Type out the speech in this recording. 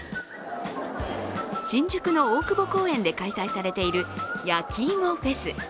新宿の大久保公園で開催されているやきいもフェス。